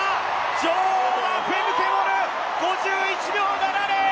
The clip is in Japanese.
女王はフェムケ・ボル、５１秒７０！